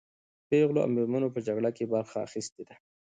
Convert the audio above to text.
پېغلو او مېرمنو په جګړه کې برخه اخیستې ده.